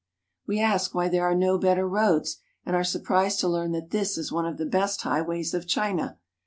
We ask why there are no better roads, and are surprised to learn that this is one of the best highways of China.